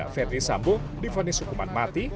ferdi sambo difonis hukuman mati